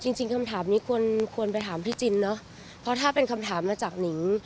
จริงจริงคำถามนี้ควรควรไปถามพี่จินเนอะเพราะถ้าเป็นคำถามมาจากนิง